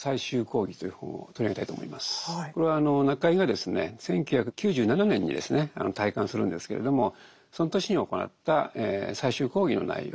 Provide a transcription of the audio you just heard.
これは中井がですね１９９７年にですね退官するんですけれどもその年に行った最終講義の内容